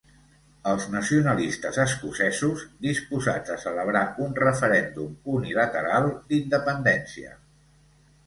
Els nacionalistes escocesos, disposats a celebrar un referèndum unilateral d'independència.